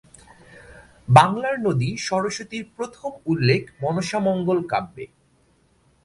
বাংলার নদী সরস্বতীর প্রথম উল্লেখ মনসামঙ্গল কাব্যে।